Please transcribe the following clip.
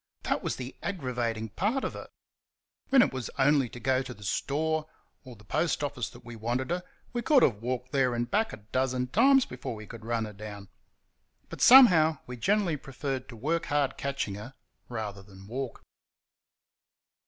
That was the aggravating part of her! When it was only to go to the store or the post office that we wanted her, we could have walked there and back a dozen times before we could run her down; but, somehow, we generally preferred to work hard catching her rather than walk.